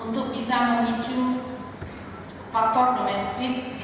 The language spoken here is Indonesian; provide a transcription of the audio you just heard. untuk bisa memicu faktor domestik